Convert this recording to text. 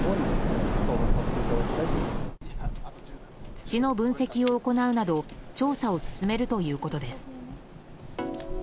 土の分析を行うなど調査を進めるということです。